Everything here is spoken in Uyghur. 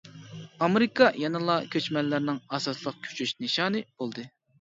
ئامېرىكا يەنىلا كۆچمەنلەرنىڭ ئاساسلىق كۆچۈش نىشانى بولدى.